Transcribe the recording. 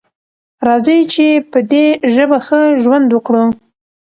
راځئ چې په دې ژبه ښه ژوند وکړو.